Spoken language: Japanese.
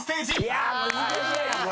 いや難しいなこれは。